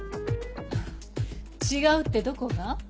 違うってどこが？